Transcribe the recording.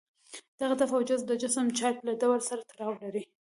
دغه دفع او جذب د جسم د چارج له ډول سره تړاو لري.